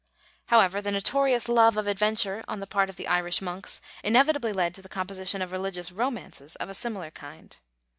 However, the notorious love of adventure on the part of the Irish monks inevitably led to the composition of religious romances of a similar kind.